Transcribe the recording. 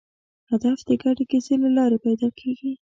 هدف د ګډې کیسې له لارې پیدا کېږي.